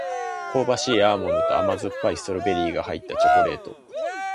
香ばしいアーモンドと甘酸っぱいストロベリーが入ったチョコレート